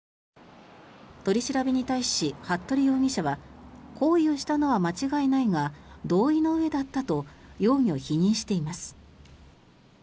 取り調べに対し服部容疑者は行為をしたのは間違いないが同意のうえだったと容疑を否認しています。